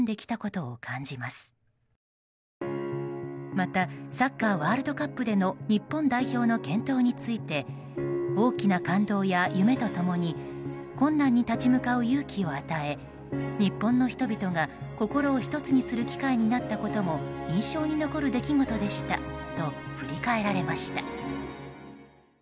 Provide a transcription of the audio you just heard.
またサッカーワールドカップでの日本代表の健闘について大きな感動や夢と共に困難に立ち向かう勇気を与え日本の人々が心を１つにする機会になったことも印象に残る出来事でしたと振り返られました。